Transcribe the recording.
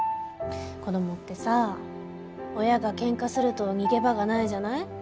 子どもってさ親が喧嘩すると逃げ場がないじゃない？